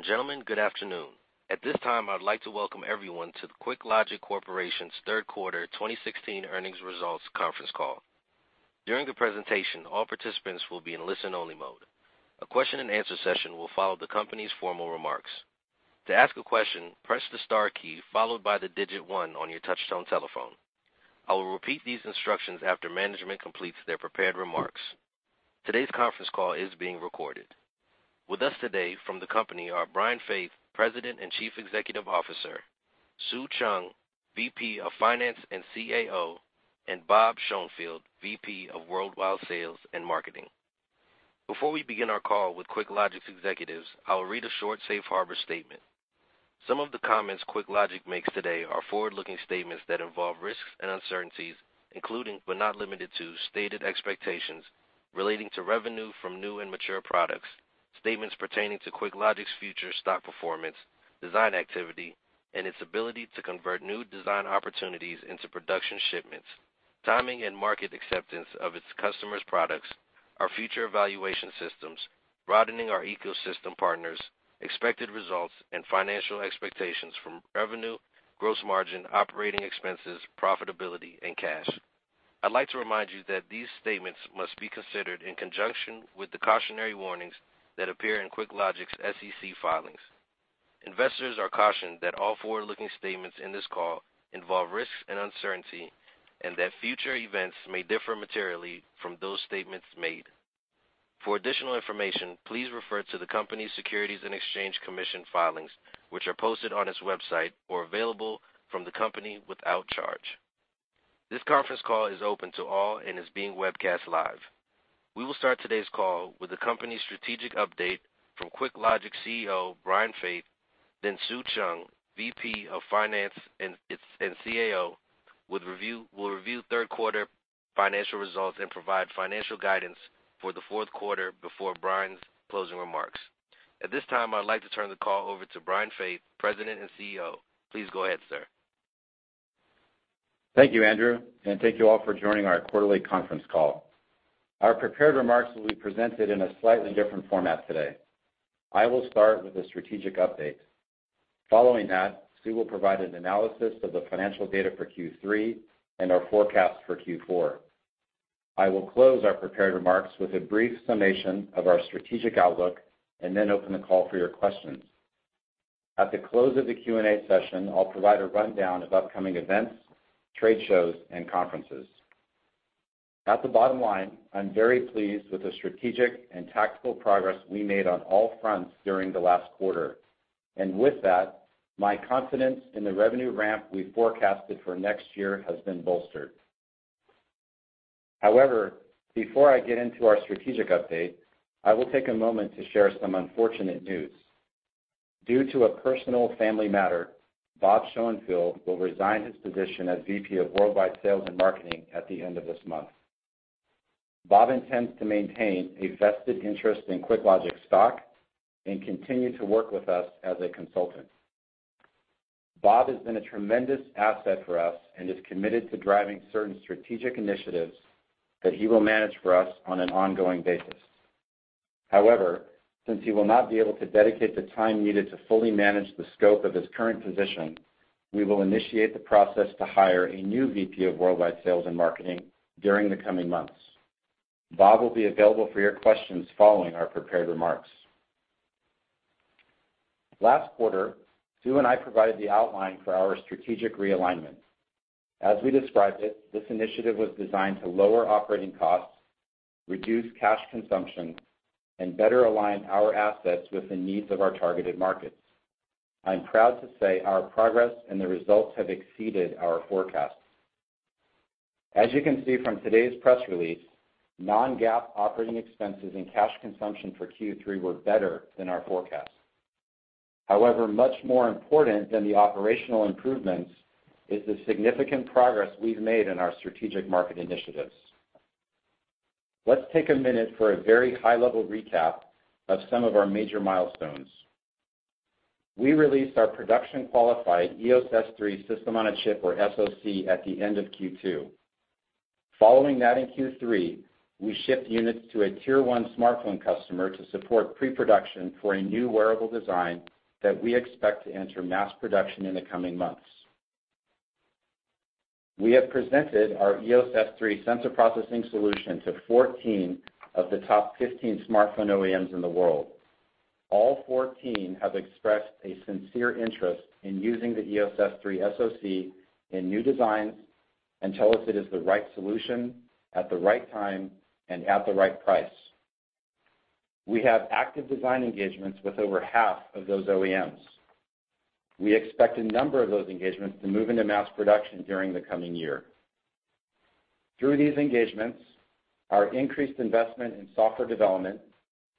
Ladies and gentlemen, good afternoon. At this time, I'd like to welcome everyone to the QuickLogic Corporation's third quarter 2016 earnings results conference call. During the presentation, all participants will be in listen-only mode. A question and answer session will follow the company's formal remarks. To ask a question, press the star key followed by the digit one on your touchtone telephone. I will repeat these instructions after management completes their prepared remarks. Today's conference call is being recorded. With us today from the company are Brian Faith, President and Chief Executive Officer, Sue Cheung, VP of Finance and CAO, and Bob Schoenfield, VP of Worldwide Sales and Marketing. Before we begin our call with QuickLogic's executives, I will read a short safe harbor statement. Some of the comments QuickLogic makes today are forward-looking statements that involve risks and uncertainties, including but not limited to, stated expectations relating to revenue from new and mature products, statements pertaining to QuickLogic's future stock performance, design activity, and its ability to convert new design opportunities into production shipments, timing and market acceptance of its customers' products, our future evaluation systems, broadening our ecosystem partners, expected results, and financial expectations from revenue, gross margin, operating expenses, profitability, and cash. I'd like to remind you that these statements must be considered in conjunction with the cautionary warnings that appear in QuickLogic's SEC filings. Investors are cautioned that all forward-looking statements in this call involve risks and uncertainty. That future events may differ materially from those statements made. For additional information, please refer to the company's Securities and Exchange Commission filings, which are posted on its website or available from the company without charge. This conference call is open to all. Is being webcast live. We will start today's call with the company's strategic update from QuickLogic CEO, Brian Faith. Then Sue Cheung, VP of Finance and CAO, will review third quarter financial results and provide financial guidance for the fourth quarter before Brian's closing remarks. At this time, I'd like to turn the call over to Brian Faith, President and CEO. Please go ahead, sir. Thank you, Andrew. Thank you all for joining our quarterly conference call. Our prepared remarks will be presented in a slightly different format today. I will start with a strategic update. Following that, Sue will provide an analysis of the financial data for Q3 and our forecast for Q4. I will close our prepared remarks with a brief summation of our strategic outlook. Then open the call for your questions. At the close of the Q&A session, I'll provide a rundown of upcoming events, trade shows, and conferences. At the bottom line, I'm very pleased with the strategic and tactical progress we made on all fronts during the last quarter. With that, my confidence in the revenue ramp we forecasted for next year has been bolstered. However, before I get into our strategic update, I will take a moment to share some unfortunate news. Due to a personal family matter, Bob Schoenfield will resign his position as VP of Worldwide Sales and Marketing at the end of this month. Bob intends to maintain a vested interest in QuickLogic stock and continue to work with us as a consultant. Bob has been a tremendous asset for us and is committed to driving certain strategic initiatives that he will manage for us on an ongoing basis. However, since he will not be able to dedicate the time needed to fully manage the scope of his current position, we will initiate the process to hire a new VP of Worldwide Sales and Marketing during the coming months. Bob will be available for your questions following our prepared remarks. Last quarter, Sue and I provided the outline for our strategic realignment. As we described it, this initiative was designed to lower operating costs, reduce cash consumption, and better align our assets with the needs of our targeted markets. I'm proud to say our progress and the results have exceeded our forecasts. As you can see from today's press release, non-GAAP operating expenses and cash consumption for Q3 were better than our forecasts. However, much more important than the operational improvements is the significant progress we've made in our strategic market initiatives. Let's take a minute for a very high-level recap of some of our major milestones. We released our production-qualified EOS S3 System-on-a-Chip, or SoC, at the end of Q2. Following that, in Q3, we shipped units to a Tier 1 smartphone customer to support pre-production for a new wearable design that we expect to enter mass production in the coming months. We have presented our EOS S3 sensor processing solution to 14 of the top 15 smartphone OEMs in the world. All 14 have expressed a sincere interest in using the EOS S3 SoC in new designs and tell us it is the right solution at the right time and at the right price. We have active design engagements with over half of those OEMs. We expect a number of those engagements to move into mass production during the coming year. Through these engagements, our increased investment in software development,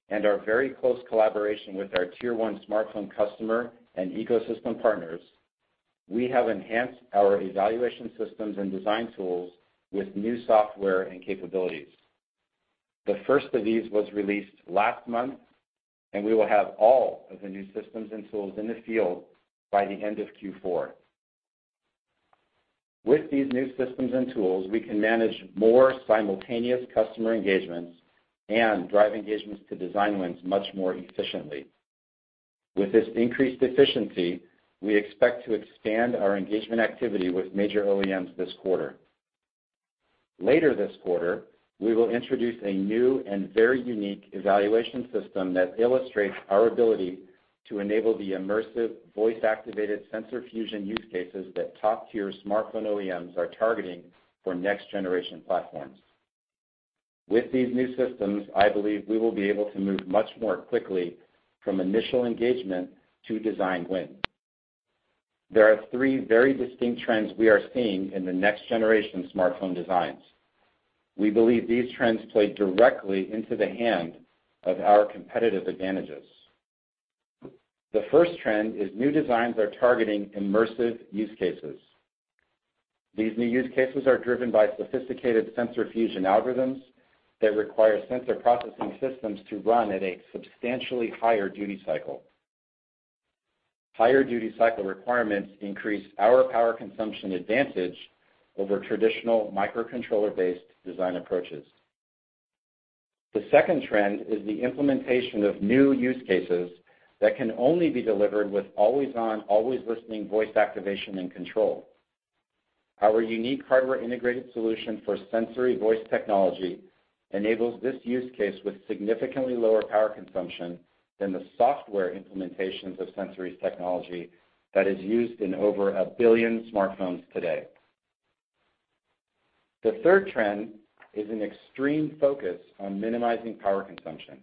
and our very close collaboration with our Tier 1 smartphone customer and ecosystem partners, we have enhanced our evaluation systems and design tools with new software and capabilities. The first of these was released last month, and we will have all of the new systems and tools in the field by the end of Q4. With these new systems and tools, we can manage more simultaneous customer engagements and drive engagements to design wins much more efficiently. With this increased efficiency, we expect to expand our engagement activity with major OEMs this quarter. Later this quarter, we will introduce a new and very unique evaluation system that illustrates our ability to enable the immersive voice-activated sensor fusion use cases that top-tier smartphone OEMs are targeting for next-generation platforms. With these new systems, I believe we will be able to move much more quickly from initial engagement to design win. There are three very distinct trends we are seeing in the next-generation smartphone designs. We believe these trends play directly into the hand of our competitive advantages. The first trend is new designs are targeting immersive use cases. These new use cases are driven by sophisticated sensor fusion algorithms that require sensor processing systems to run at a substantially higher duty cycle. Higher duty cycle requirements increase our power consumption advantage over traditional microcontroller-based design approaches. The second trend is the implementation of new use cases that can only be delivered with always-on, always listening voice activation and control. Our unique hardware-integrated solution for Sensory voice technology enables this use case with significantly lower power consumption than the software implementations of Sensory technology that is used in over 1 billion smartphones today. The third trend is an extreme focus on minimizing power consumption.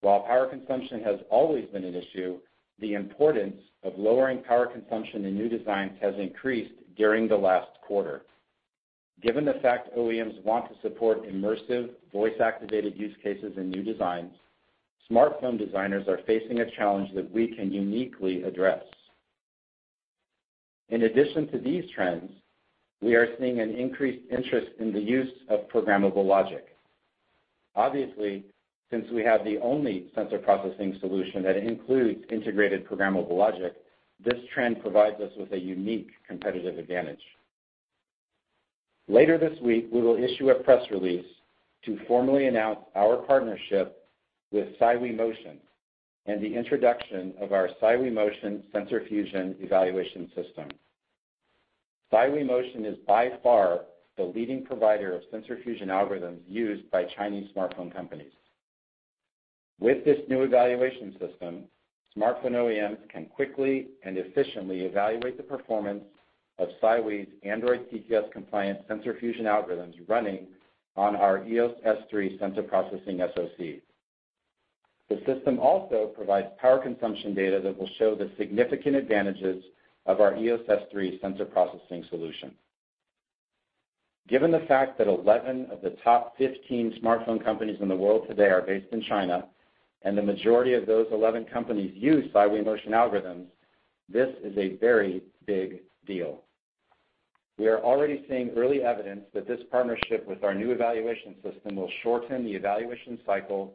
While power consumption has always been an issue, the importance of lowering power consumption in new designs has increased during the last quarter. Given the fact OEMs want to support immersive voice-activated use cases in new designs, smartphone designers are facing a challenge that we can uniquely address. In addition to these trends, we are seeing an increased interest in the use of programmable logic. Obviously, since we have the only sensor processing solution that includes integrated programmable logic, this trend provides us with a unique competitive advantage. Later this week, we will issue a press release to formally announce our partnership with Hillcrest Labs and the introduction of our Hillcrest Labs sensor fusion evaluation system. Hillcrest Labs is by far the leading provider of sensor fusion algorithms used by Chinese smartphone companies. With this new evaluation system, smartphone OEMs can quickly and efficiently evaluate the performance of Hillcrest Labs' Android CTS compliant sensor fusion algorithms running on our EOS S3 sensor processing SoC. The system also provides power consumption data that will show the significant advantages of our EOS S3 sensor processing solution. Given the fact that 11 of the top 15 smartphone companies in the world today are based in China, and the majority of those 11 companies use Hillcrest Labs algorithms, this is a very big deal. We are already seeing early evidence that this partnership with our new evaluation system will shorten the evaluation cycle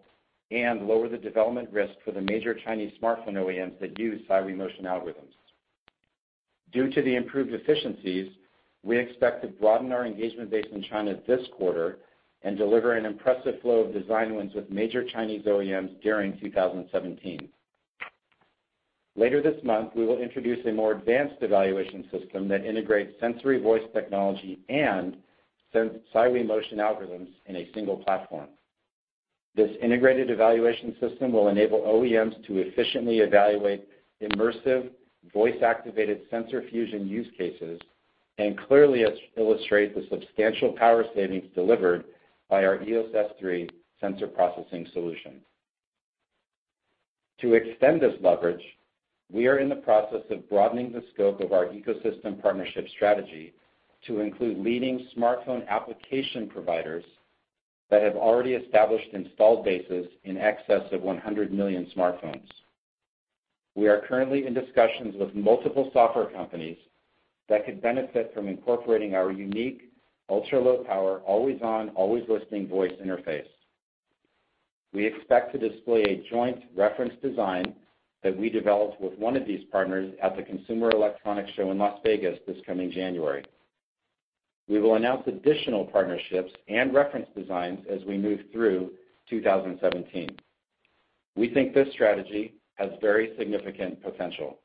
and lower the development risk for the major Chinese smartphone OEMs that use Hillcrest Labs algorithms. Due to the improved efficiencies, we expect to broaden our engagement base in China this quarter and deliver an impressive flow of design wins with major Chinese OEMs during 2017. Later this month, we will introduce a more advanced evaluation system that integrates Sensory voice technology and Hillcrest Labs algorithms in a single platform. This integrated evaluation system will enable OEMs to efficiently evaluate immersive voice-activated sensor fusion use cases and clearly illustrate the substantial power savings delivered by our EOS S3 sensor processing solution. To extend this leverage, we are in the process of broadening the scope of our ecosystem partnership strategy to include leading smartphone application providers that have already established installed bases in excess of 100 million smartphones. We are currently in discussions with multiple software companies that could benefit from incorporating our unique ultra-low power, always-on, always listening voice interface. We expect to display a joint reference design that we developed with one of these partners at the Consumer Electronics Show in Las Vegas this coming January. We will announce additional partnerships and reference designs as we move through 2017. We think this strategy has very significant potential.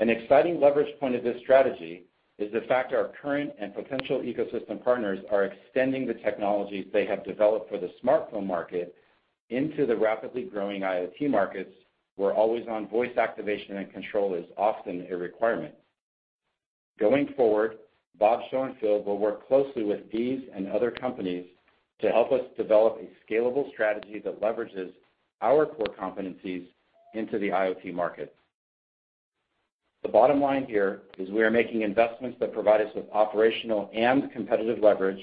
An exciting leverage point of this strategy is the fact our current and potential ecosystem partners are extending the technologies they have developed for the smartphone market into the rapidly growing IoT markets, where always-on voice activation and control is often a requirement. Going forward, Bob Schoenfield will work closely with these and other companies to help us develop a scalable strategy that leverages our core competencies into the IoT market. The bottom line here is we are making investments that provide us with operational and competitive leverage,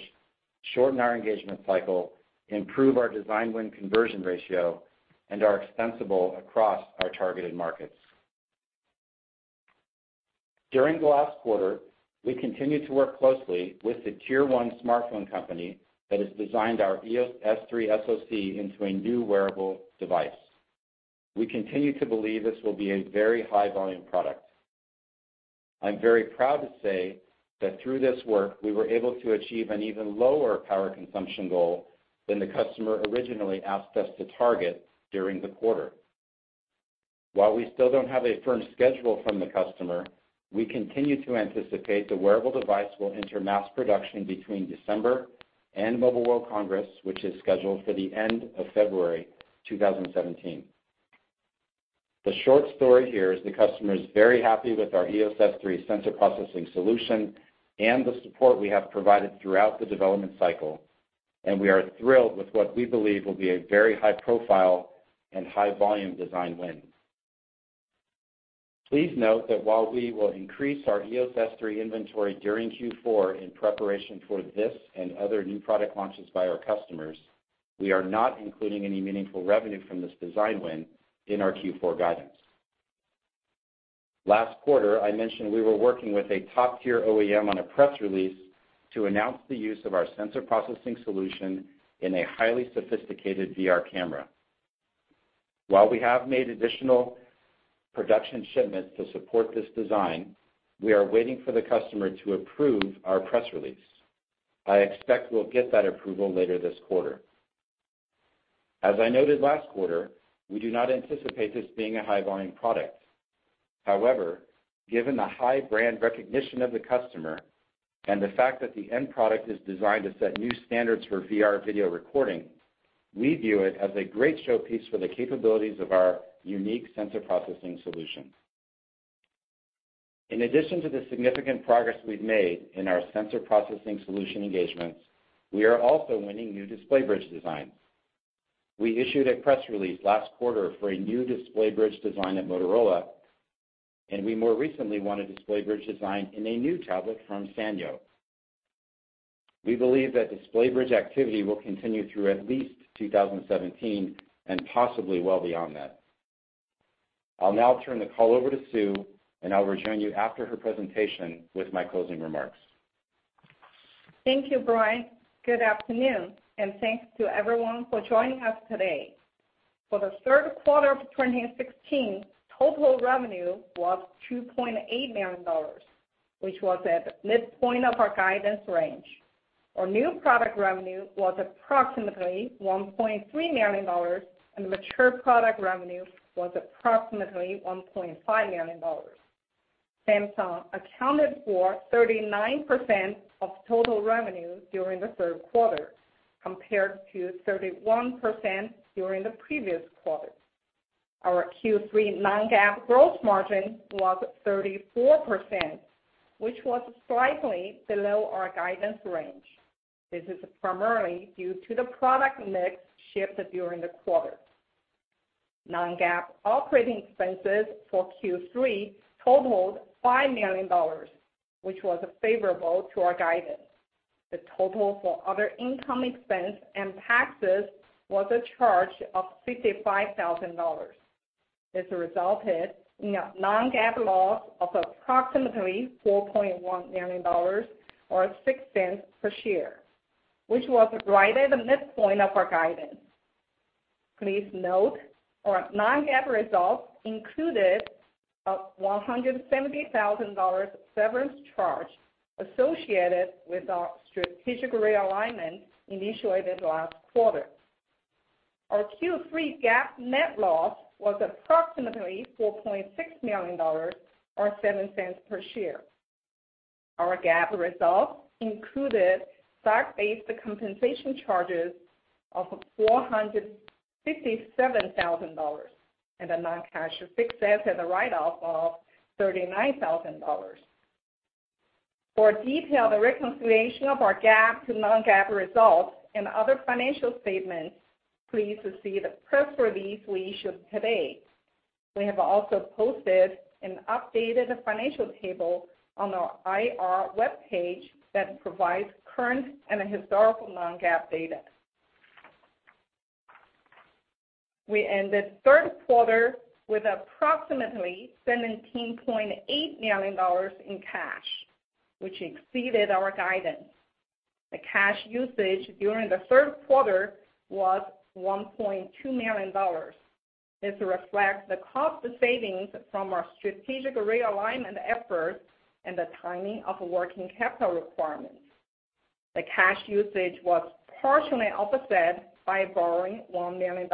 shorten our engagement cycle, improve our design win conversion ratio, and are extensible across our targeted markets. During the last quarter, we continued to work closely with the Tier 1 smartphone company that has designed our EOS S3 SoC into a new wearable device. We continue to believe this will be a very high-volume product. I'm very proud to say that through this work, we were able to achieve an even lower power consumption goal than the customer originally asked us to target during the quarter. While we still don't have a firm schedule from the customer, we continue to anticipate the wearable device will enter mass production between December and Mobile World Congress, which is scheduled for the end of February 2017. The short story here is the customer is very happy with our EOS S3 sensor processing solution and the support we have provided throughout the development cycle, and we are thrilled with what we believe will be a very high-profile and high-volume design win. Please note that while we will increase our EOS S3 inventory during Q4 in preparation for this and other new product launches by our customers, we are not including any meaningful revenue from this design win in our Q4 guidance. Last quarter, I mentioned we were working with a top-tier OEM on a press release to announce the use of our sensor processing solution in a highly sophisticated VR camera. While we have made additional production shipments to support this design, we are waiting for the customer to approve our press release. I expect we'll get that approval later this quarter. As I noted last quarter, we do not anticipate this being a high-volume product. However, given the high brand recognition of the customer and the fact that the end product is designed to set new standards for VR video recording, we view it as a great showpiece for the capabilities of our unique sensor processing solution. In addition to the significant progress we've made in our sensor processing solution engagements, we are also winning new display bridge designs. We issued a press release last quarter for a new display bridge design at Motorola, and we more recently won a display bridge design in a new tablet from Sanyo. We believe that display bridge activity will continue through at least 2017 and possibly well beyond that. I'll now turn the call over to Sue, and I'll rejoin you after her presentation with my closing remarks. Thank you, Brian. Good afternoon, thanks to everyone for joining us today. For the third quarter of 2016, total revenue was $2.8 million, which was at the midpoint of our guidance range. Our new product revenue was approximately $1.3 million, mature product revenue was approximately $1.5 million. Samsung accounted for 39% of total revenue during the third quarter, compared to 31% during the previous quarter. Our Q3 non-GAAP gross margin was 34%, which was slightly below our guidance range. This is primarily due to the product mix shift during the quarter. Non-GAAP operating expenses for Q3 totaled $5 million, which was favorable to our guidance. The total for other income expense and taxes was a charge of $55,000. This resulted in a non-GAAP loss of approximately $4.1 million, or $0.06 per share, which was right at the midpoint of our guidance. Please note our non-GAAP results included a $170,000 severance charge associated with our strategic realignment initiated last quarter. Our Q3 GAAP net loss was approximately $4.6 million, or $0.07 per share. Our GAAP results included stock-based compensation charges of $467,000 and a non-cash fixed asset write-off of $39,000. For a detailed reconciliation of our GAAP to non-GAAP results and other financial statements, please see the press release we issued today. We have also posted an updated financial table on our IR webpage that provides current and historical non-GAAP data. We ended the third quarter with approximately $17.8 million in cash, which exceeded our guidance. The cash usage during the third quarter was $1.2 million. This reflects the cost savings from our strategic realignment efforts and the timing of working capital requirements. The cash usage was partially offset by borrowing $1 million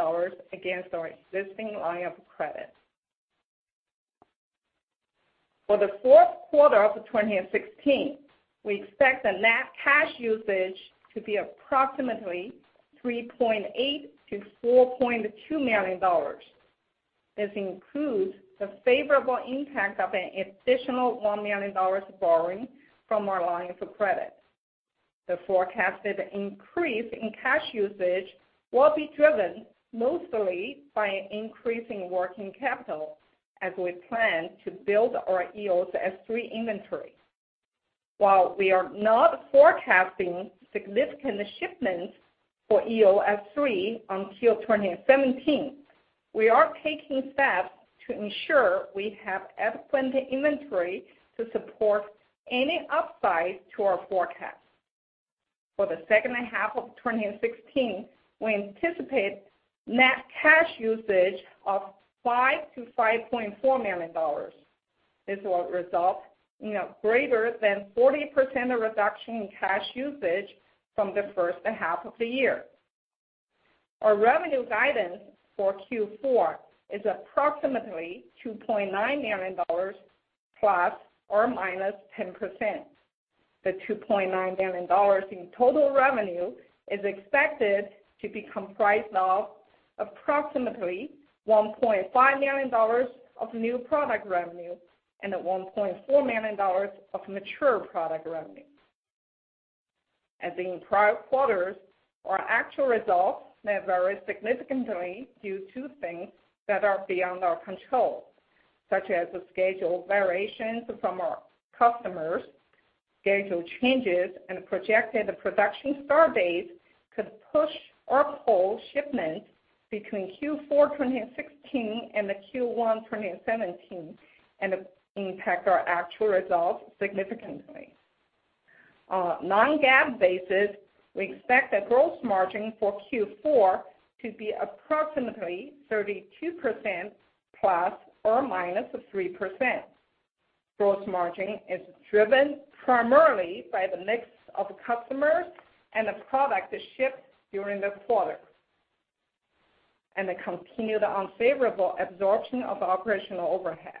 against our existing line of credit. For the fourth quarter of 2016, we expect the net cash usage to be approximately $3.8 million-$4.2 million. This includes the favorable impact of an additional $1 million borrowing from our line of credit. The forecasted increase in cash usage will be driven mostly by an increase in working capital as we plan to build our EOS S3 inventory. While we are not forecasting significant shipments for EOS S3 until 2017, we are taking steps to ensure we have adequate inventory to support any upside to our forecast. For the second half of 2016, we anticipate net cash usage of $5 million-$5.4 million. This will result in a greater than 40% reduction in cash usage from the first half of the year. Our revenue guidance for Q4 is approximately $2.9 million ±10%. The $2.9 million in total revenue is expected to be comprised of approximately $1.5 million of new product revenue, $1.4 million of mature product revenue. As in prior quarters, our actual results may vary significantly due to things that are beyond our control, such as the schedule variations from our customers, schedule changes, projected production start dates could push or pull shipments between Q4 2016 and Q1 2017 and impact our actual results significantly. On a non-GAAP basis, we expect the gross margin for Q4 to be approximately 32% ±3%. Gross margin is driven primarily by the mix of customers and the product shipped during the quarter, the continued unfavorable absorption of operational overhead.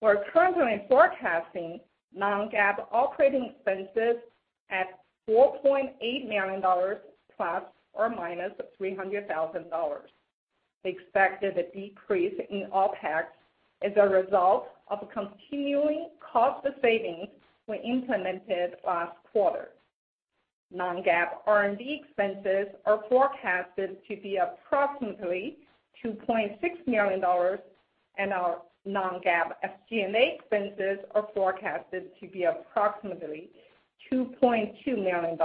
We're currently forecasting non-GAAP operating expenses at $4.8 million ±$300,000. The expected decrease in OpEx is a result of continuing cost savings we implemented last quarter. non-GAAP R&D expenses are forecasted to be approximately $2.6 million, and our non-GAAP SG&A expenses are forecasted to be approximately $2.2 million.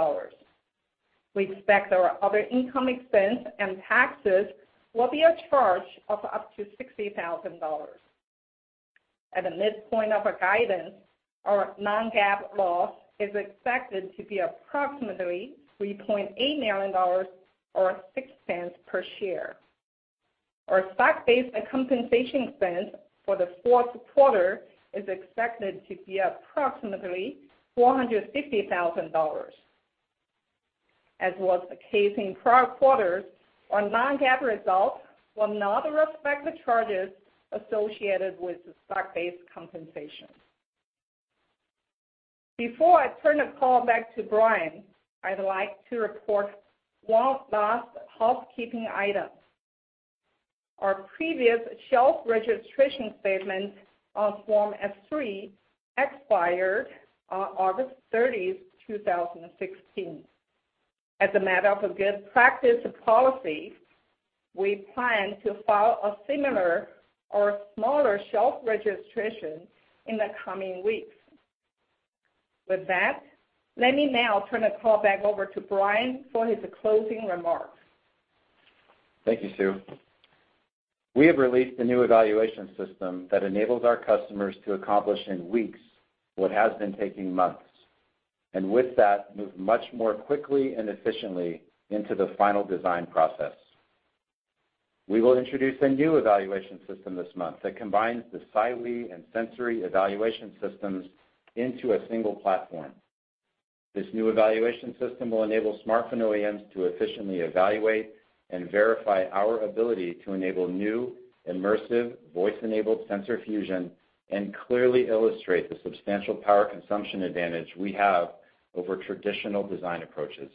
We expect our other income expense and taxes will be a charge of up to $60,000. At the midpoint of our guidance, our non-GAAP loss is expected to be approximately $3.8 million or $0.06 per share. Our stock-based compensation expense for the fourth quarter is expected to be approximately $450,000. As was the case in prior quarters, our non-GAAP results will not reflect the charges associated with the stock-based compensation. Before I turn the call back to Brian, I'd like to report one last housekeeping item. Our previous shelf registration statement on Form S-3 expired on August 30, 2016. As a matter of good practice policy, we plan to file a similar or smaller shelf registration in the coming weeks. With that, let me now turn the call back over to Brian for his closing remarks. Thank you, Sue. We have released a new evaluation system that enables our customers to accomplish in weeks what has been taking months, and with that, move much more quickly and efficiently into the final design process. We will introduce a new evaluation system this month that combines the Hillcrest and Sensory evaluation systems into a single platform. This new evaluation system will enable smartphone OEMs to efficiently evaluate and verify our ability to enable new, immersive voice-enabled sensor fusion and clearly illustrate the substantial power consumption advantage we have over traditional design approaches.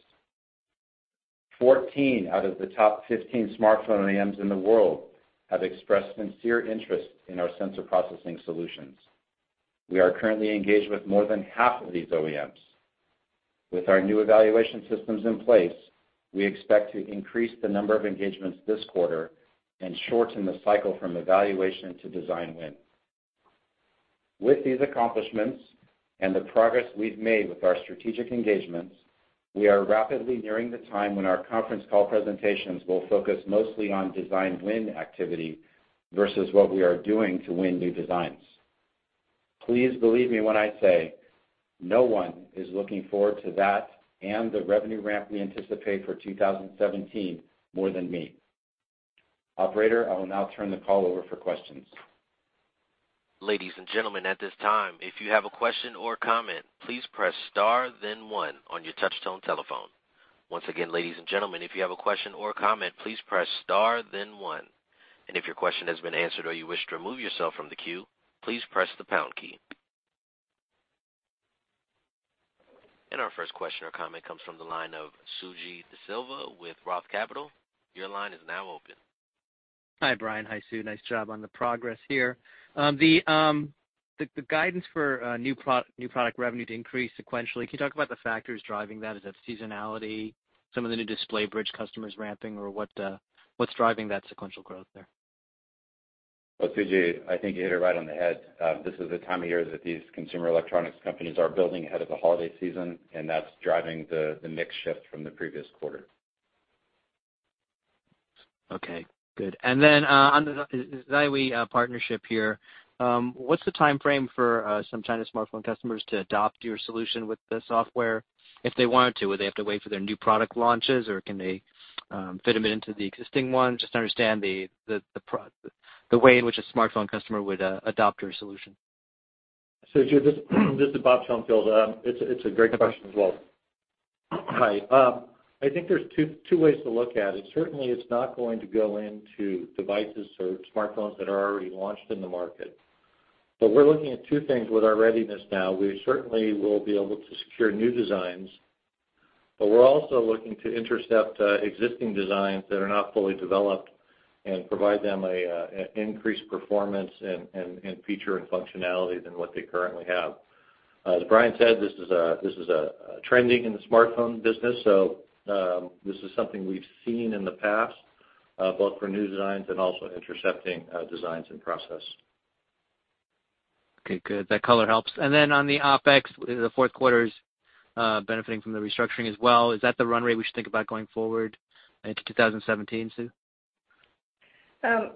14 out of the top 15 smartphone OEMs in the world have expressed sincere interest in our sensor processing solutions. We are currently engaged with more than half of these OEMs. With our new evaluation systems in place, we expect to increase the number of engagements this quarter and shorten the cycle from evaluation to design win. With these accomplishments and the progress we've made with our strategic engagements, we are rapidly nearing the time when our conference call presentations will focus mostly on design win activity versus what we are doing to win new designs. Please believe me when I say no one is looking forward to that and the revenue ramp we anticipate for 2017 more than me. Operator, I will now turn the call over for questions. Ladies and gentlemen, at this time, if you have a question or comment, please press star then one on your touch-tone telephone. Once again, ladies and gentlemen, if you have a question or comment, please press star then one. If your question has been answered or you wish to remove yourself from the queue, please press the pound key. Our first question or comment comes from the line of Suji DeSilva with Roth Capital. Your line is now open. Hi, Brian. Hi, Sue. Nice job on the progress here. The guidance for new product revenue to increase sequentially, can you talk about the factors driving that? Is that seasonality, some of the new display bridge customers ramping, or what's driving that sequential growth there? Well, Suji, I think you hit it right on the head. This is the time of year that these consumer electronics companies are building ahead of the holiday season, and that's driving the mix shift from the previous quarter. Okay, good. On the [Xiwei partnership here, what's the timeframe for some China smartphone customers to adopt your solution with the software if they wanted to? Would they have to wait for their new product launches, or can they fit them into the existing one? Just to understand the way in which a smartphone customer would adopt your solution. Suji, this is Bob Schoenfield. It's a great question as well. Hi. I think there's two ways to look at it. Certainly, it's not going to go into devices or smartphones that are already launched in the market. We're looking at two things with our readiness now. We certainly will be able to secure new designs. We're also looking to intercept existing designs that are not fully developed and provide them an increased performance and feature and functionality than what they currently have. As Brian said, this is trending in the smartphone business. This is something we've seen in the past, both for new designs and also intercepting designs in process. Okay, good. That color helps. On the OpEx, the Q4's benefiting from the restructuring as well. Is that the run rate we should think about going forward into 2017, Sue?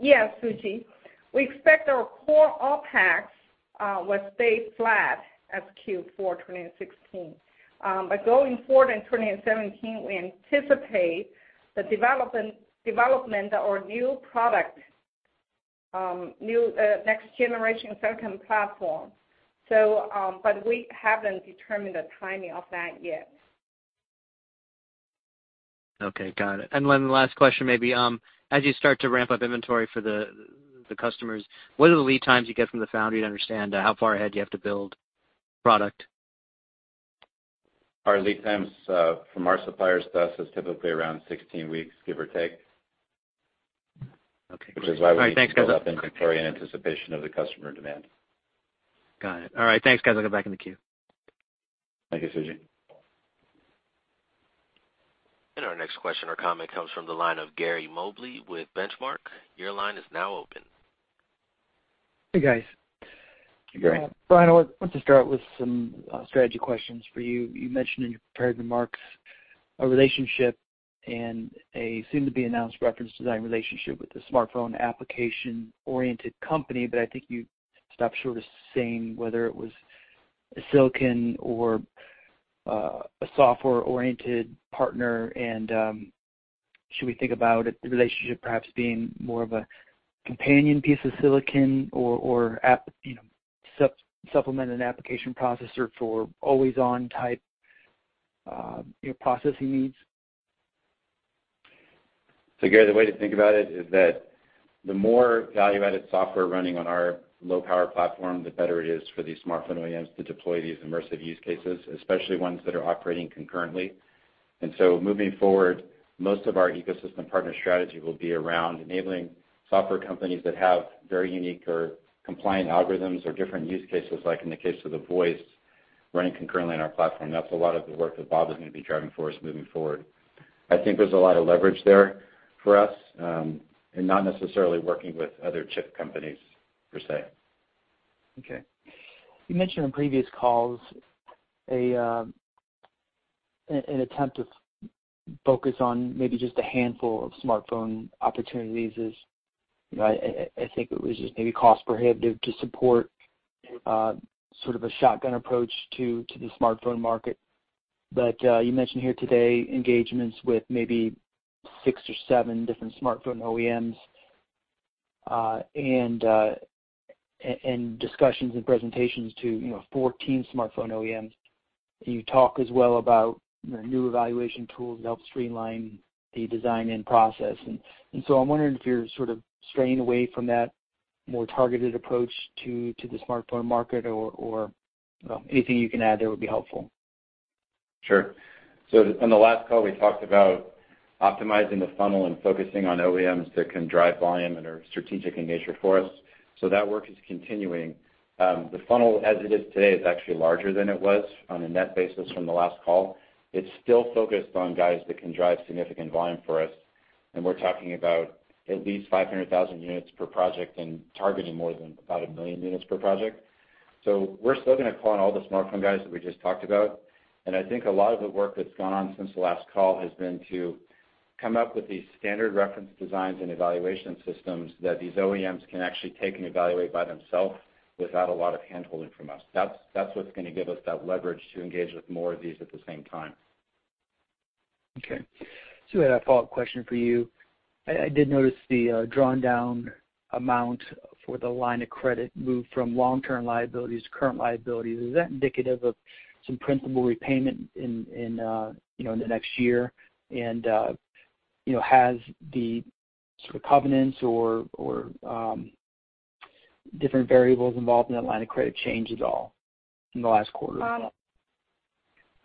Yes, Suji. We expect our core OpEx will stay flat as Q4 2016. Going forward in 2017, we anticipate the development of our new product, new next-generation silicon platform. We haven't determined the timing of that yet. Okay, got it. One last question maybe, as you start to ramp up inventory for the customers, what are the lead times you get from the foundry to understand how far ahead you have to build product? Our lead times from our suppliers to us is typically around 16 weeks, give or take. Okay, great. Which is why we build up inventory in anticipation of the customer demand. Got it. All right, thanks, guys. I'll get back in the queue. Thank you, Suji. Our next question or comment comes from the line of Gary Mobley with Benchmark. Your line is now open. Hey, guys. Hey, Gary. Brian, I want to start with some strategy questions for you. You mentioned in your prepared remarks a relationship and a soon-to-be-announced reference design relationship with a smartphone application-oriented company, but I think you stopped short of saying whether it was a silicon or a software-oriented partner. Should we think about the relationship perhaps being more of a companion piece of silicon or supplement an application processor for always-on type processing needs? Gary, the way to think about it is that the more value-added software running on our low-power platform, the better it is for these smartphone OEMs to deploy these immersive use cases, especially ones that are operating concurrently. Moving forward, most of our ecosystem partner strategy will be around enabling software companies that have very unique or compliant algorithms or different use cases, like in the case of the voice, running concurrently on our platform. That's a lot of the work that Bob is going to be driving for us moving forward. I think there's a lot of leverage there for us, and not necessarily working with other chip companies, per se. Okay. You mentioned on previous calls an attempt to focus on maybe just a handful of smartphone opportunities as, I think it was just maybe cost prohibitive to support sort of a shotgun approach to the smartphone market. You mentioned here today engagements with maybe six or seven different smartphone OEMs, and discussions and presentations to 14 smartphone OEMs. You talk as well about new evaluation tools to help streamline the design-in process. I'm wondering if you're sort of straying away from that more targeted approach to the smartphone market, or anything you can add there would be helpful. Sure. On the last call, we talked about optimizing the funnel and focusing on OEMs that can drive volume and are strategic in nature for us. That work is continuing. The funnel as it is today is actually larger than it was on a net basis from the last call. It's still focused on guys that can drive significant volume for us, and we're talking about at least 500,000 units per project and targeting more than about 1 million units per project. We're still going to call on all the smartphone guys that we just talked about. I think a lot of the work that's gone on since the last call has been to come up with these standard reference designs and evaluation systems that these OEMs can actually take and evaluate by themselves without a lot of handholding from us. That's what's going to give us that leverage to engage with more of these at the same time. Okay. Sue, I had a follow-up question for you. I did notice the drawn-down amount for the line of credit moved from long-term liabilities to current liabilities. Is that indicative of some principal repayment in the next year? Has the sort of covenants or different variables involved in that line of credit changed at all in the last quarter?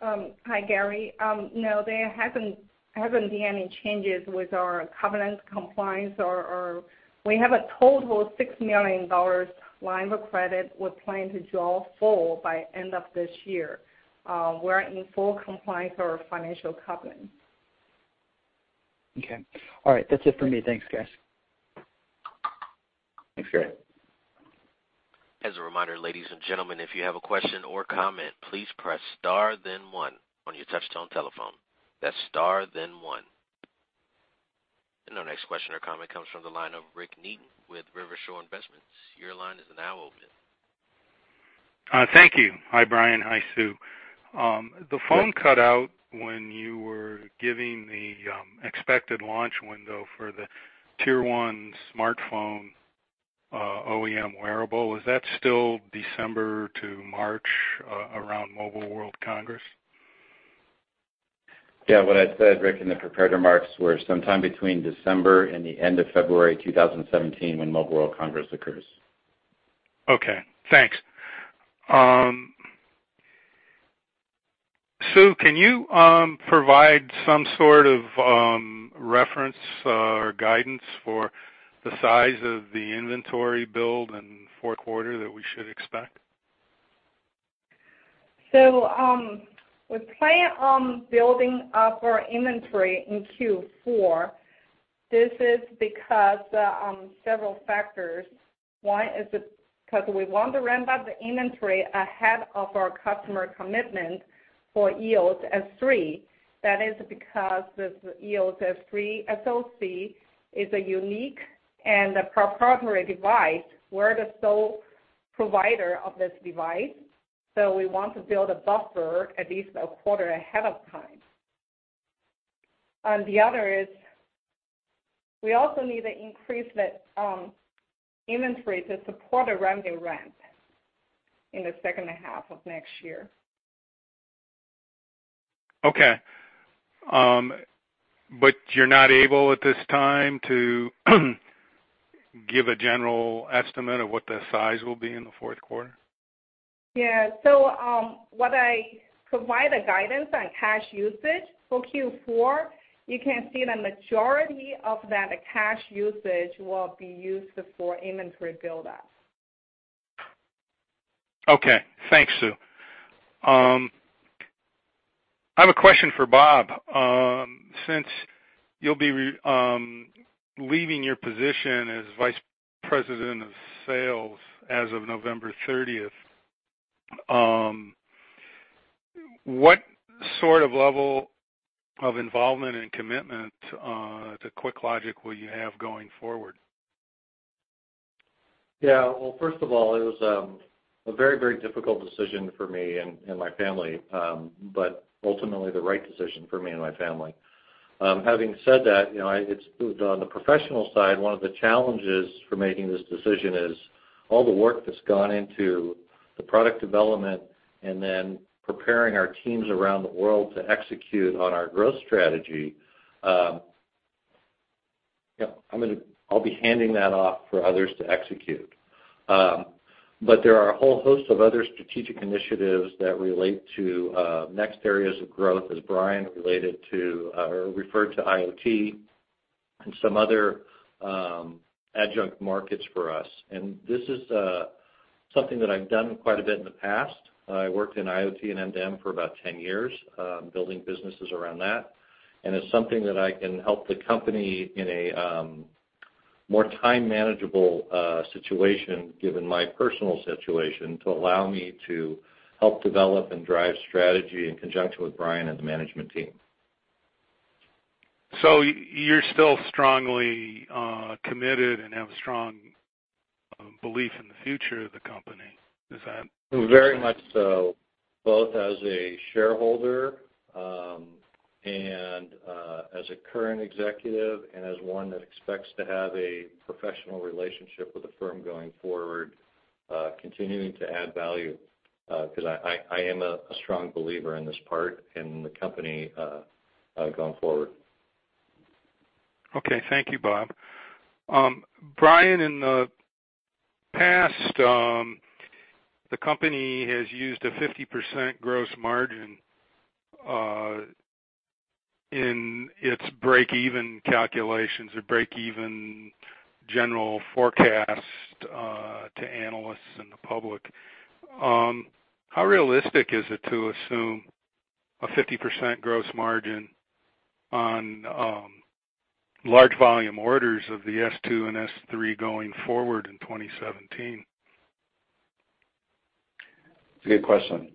Hi, Gary. No, there haven't been any changes with our covenant compliance. We have a total of $6 million line of credit we're planning to draw full by end of this year. We're in full compliance with our financial covenant. Okay. All right. That's it for me. Thanks, guys. Thanks, Gary. As a reminder, ladies and gentlemen, if you have a question or comment, please press star then one on your touchtone telephone. That's star then one. Our next question or comment comes from the line of Rick Neaton with Rivershore Investment Research. Your line is now open. Thank you. Hi, Brian. Hi, Sue. The phone cut out when you were giving the expected launch window for the tier 1 smartphone OEM wearable. Is that still December to March around Mobile World Congress? Yeah. What I said, Rick, in the prepared remarks, were sometime between December and the end of February 2017, when Mobile World Congress occurs. Okay, thanks. Sue, can you provide some sort of reference or guidance for the size of the inventory build in the fourth quarter that we should expect? We plan on building up our inventory in Q4. This is because of several factors. One is because we want to ramp up the inventory ahead of our customer commitment for EOS S3. That is because the EOS S3 SoC is a unique and a proprietary device. We're the sole provider of this device, so we want to build a buffer at least a quarter ahead of time. The other is, we also need to increase that inventory to support a revenue ramp in the second half of next year. Okay. You're not able at this time to give a general estimate of what the size will be in the fourth quarter? Yeah. When I provide a guidance on cash usage for Q4, you can see the majority of that cash usage will be used for inventory buildup. Okay. Thanks, Sue Cheung. I have a question for Bob Schoenfield. Since you'll be leaving your position as vice president of sales as of November 30th, what sort of level of involvement and commitment to QuickLogic will you have going forward? Yeah. Well, first of all, it was a very difficult decision for me and my family, but ultimately the right decision for me and my family. Having said that, on the professional side, one of the challenges for making this decision is all the work that's gone into the product development and then preparing our teams around the world to execute on our growth strategy. I'll be handing that off for others to execute. There are a whole host of other strategic initiatives that relate to next areas of growth, as Brian Faith referred to IoT and some other adjunct markets for us. This is something that I've done quite a bit in the past. I worked in IoT and M2M for about 10 years, building businesses around that. It's something that I can help the company in a more time manageable situation, given my personal situation, to allow me to help develop and drive strategy in conjunction with Brian Faith and the management team. You're still strongly committed and have a strong belief in the future of the company. Is that? Very much so, both as a shareholder, and as a current executive, and as one that expects to have a professional relationship with the firm going forward, continuing to add value, because I am a strong believer in this part in the company, going forward. Okay. Thank you, Bob. Brian, in the past, the company has used a 50% gross margin in its break even calculations or break even general forecast to analysts and the public. How realistic is it to assume a 50% gross margin on large volume orders of the S2 and S3 going forward in 2017? It's a good question.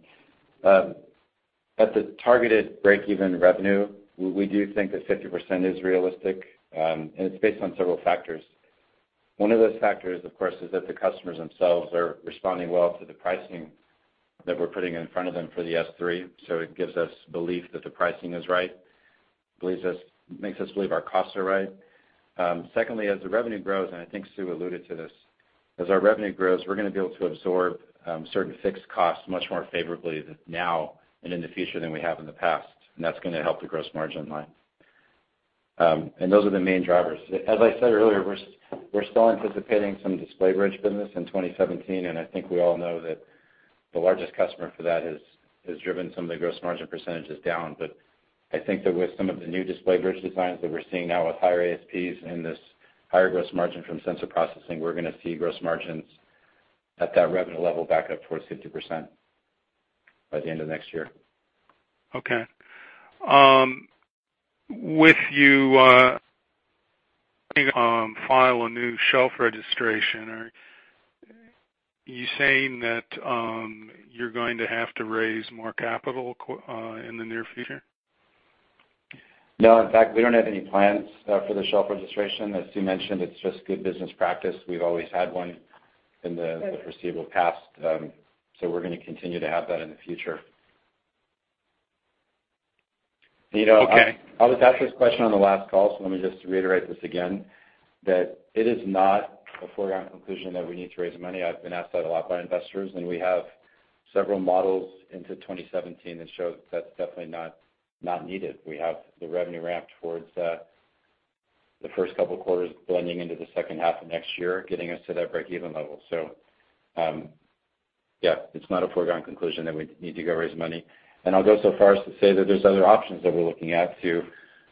At the targeted break even revenue, we do think that 50% is realistic, and it's based on several factors. One of those factors, of course, is that the customers themselves are responding well to the pricing that we're putting in front of them for the S3, so it gives us belief that the pricing is right, makes us believe our costs are right. Secondly, as the revenue grows, and I think Sue alluded to this, as our revenue grows, we're going to be able to absorb certain fixed costs much more favorably now and in the future than we have in the past, and that's going to help the gross margin line. Those are the main drivers. As I said earlier, we're still anticipating some display bridge business in 2017, and I think we all know that the largest customer for that has driven some of the gross margin percentages down. I think that with some of the new display bridge designs that we're seeing now with higher ASPs and this higher gross margin from sensor processing, we're going to see gross margins at that revenue level back up towards 50%. By the end of next year. Okay. With you file a new shelf registration, are you saying that you're going to have to raise more capital in the near future? No. In fact, we don't have any plans for the shelf registration. As Sue mentioned, it's just good business practice. We've always had one in the foreseeable past, we're going to continue to have that in the future. Okay. I was asked this question on the last call, let me just reiterate this again, that it is not a foregone conclusion that we need to raise money. I've been asked that a lot by investors, we have several models into 2017 that show that's definitely not needed. We have the revenue ramped towards the first couple of quarters blending into the second half of next year, getting us to that breakeven level. Yeah, it's not a foregone conclusion that we need to go raise money. I'll go so far as to say that there's other options that we're looking at to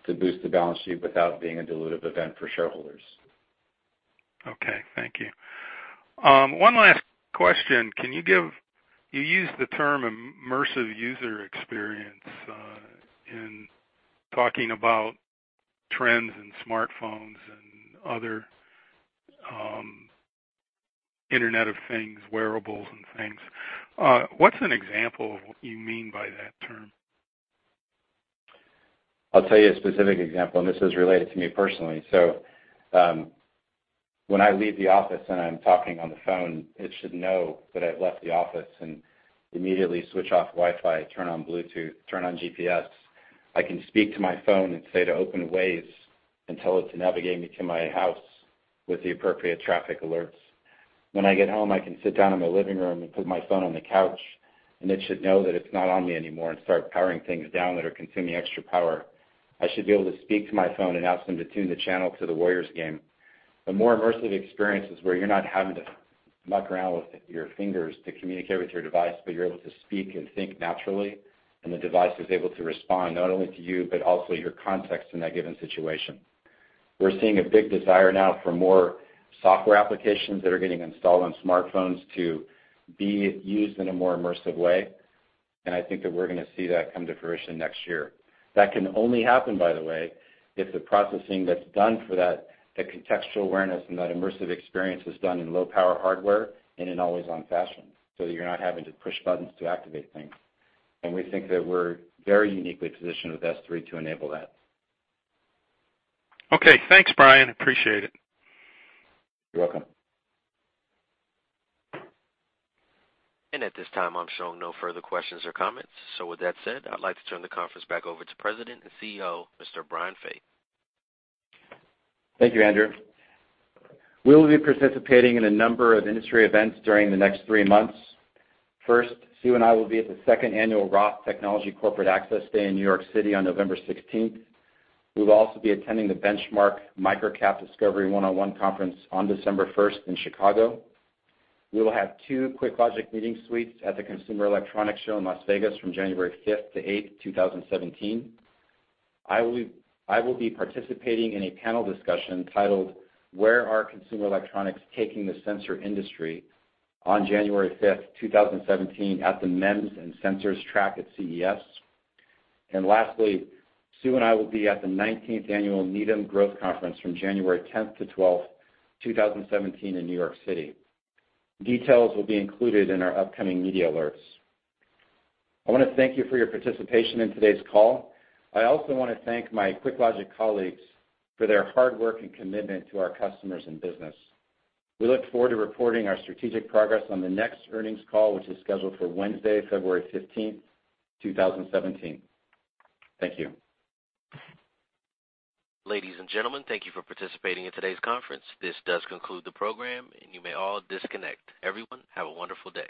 boost the balance sheet without it being a dilutive event for shareholders. Okay. Thank you. One last question. You used the term immersive user experience in talking about trends in smartphones and other Internet of Things, wearables and things. What's an example of what you mean by that term? I'll tell you a specific example, and this is related to me personally. When I leave the office and I'm talking on the phone, it should know that I've left the office and immediately switch off Wi-Fi, turn on Bluetooth, turn on GPS. I can speak to my phone and say to open Waze and tell it to navigate me to my house with the appropriate traffic alerts. When I get home, I can sit down in my living room and put my phone on the couch, and it should know that it's not on me anymore and start powering things down that are consuming extra power. I should be able to speak to my phone and ask them to tune the channel to the Warriors game. The more immersive experience is where you're not having to muck around with your fingers to communicate with your device, but you're able to speak and think naturally, and the device is able to respond not only to you, but also your context in that given situation. We're seeing a big desire now for more software applications that are getting installed on smartphones to be used in a more immersive way, and I think that we're going to see that come to fruition next year. That can only happen, by the way, if the processing that's done for that contextual awareness and that immersive experience is done in low-power hardware and in always on fashion, so that you're not having to push buttons to activate things. We think that we're very uniquely positioned with S3 to enable that. Okay. Thanks, Brian. Appreciate it. You're welcome. At this time, I'm showing no further questions or comments. With that said, I'd like to turn the conference back over to President and CEO, Brian Faith. Thank you, Andrew. We will be participating in a number of industry events during the next three months. First, Sue and I will be at the second annual ROTH Technology Corporate Access Day in New York City on November 16th. We will also be attending the Benchmark Micro Cap Discovery 101 Conference on December 1st in Chicago. We will have two QuickLogic meeting suites at the Consumer Electronics Show in Las Vegas from January 5th to 8th, 2017. I will be participating in a panel discussion titled, Where are Consumer Electronics Taking the Sensor Industry, on January 5th, 2017, at the MEMS and Sensors track at CES. Lastly, Sue and I will be at the 19th Annual Needham Growth Conference from January 10th to 12th, 2017, in New York City. Details will be included in our upcoming media alerts. I want to thank you for your participation in today's call. I also want to thank my QuickLogic colleagues for their hard work and commitment to our customers and business. We look forward to reporting our strategic progress on the next earnings call, which is scheduled for Wednesday, February 15th, 2017. Thank you. Ladies and gentlemen, thank you for participating in today's conference. This does conclude the program, and you may all disconnect. Everyone, have a wonderful day.